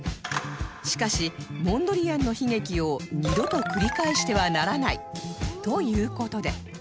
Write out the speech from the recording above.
しかしモンドリアンの悲劇を二度と繰り返してはならないという事で